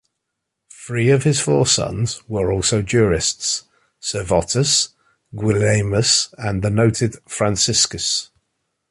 Three of his four sons were also jurists: Cervottus, Guilelmus and the noted Franciscus.